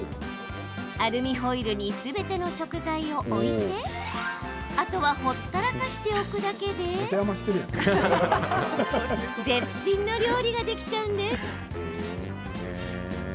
アルミホイルにすべての食材を置いてあとはほったらかしておくだけで絶品の料理ができちゃうんです。